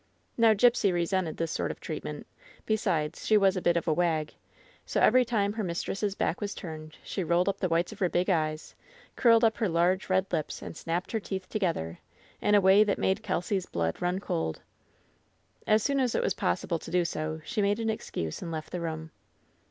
Now Gipsy resented this sort of treatment; besides, she was a bit of a wag; so every time her mistress' back was turned she rolled up the whites of her big eyes, curled up her large red lips, and snapped her teeth to gether, in a way that made Kelsy's blood run cold. As soon as it was possible to do so, she made an excuse and left the room.